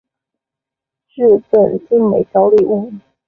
致赠精美小礼物